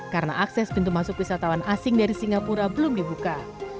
karena akses pintu masuk wisatawan asing dari singapura belum dibuka